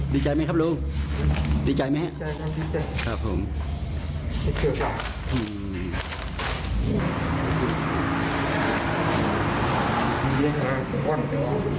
ดีใจไหมครับลุงดีใจไหมครับผม